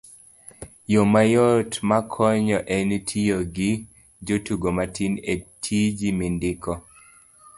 yo mayot makonyo en tiyo gi jotugo matin e tiji mindiko